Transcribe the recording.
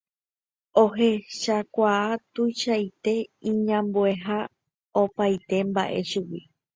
ohechakuaa tuichaite iñambueha opaite mba'e chugui